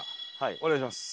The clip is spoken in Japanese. お願いします。